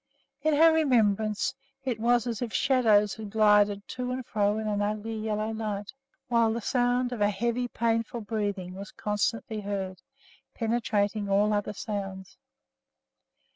In her remembrance it was as if shadows had glided to and fro in an ugly yellow light, while the sound of a heavy, painful breathing was constantly heard, penetrating all other sounds.